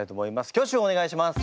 挙手をお願いします。